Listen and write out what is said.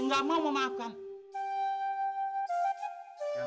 nggak mau memaafkan